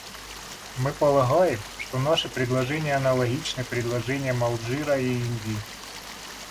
Мы полагаем, что наши предложения аналогичны предложениям Алжира и Индии.